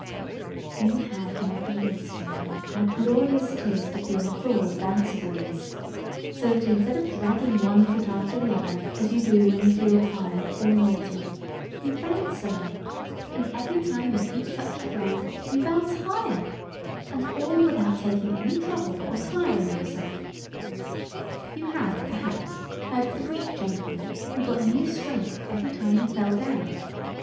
You have not the least idea how glorious it is to feel full of bouncibleness; so that, instead of dragging one foot after the other, as you do when you feel tired or naughty, you bounce along, and every time your feet touch the ground you bounce higher, and all without taking any trouble or tiring yourself. You have, perhaps, heard of the Greek gentleman who got new strength every time he fell down.